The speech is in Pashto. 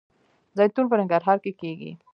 زیتون په ننګرهار کې کیږي